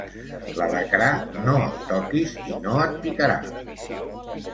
L'alacrà, no el toquis i no et picarà.